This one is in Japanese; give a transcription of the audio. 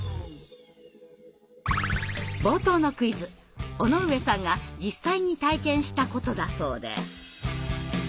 冒頭のクイズ尾上さんが実際に体験したことだそうで。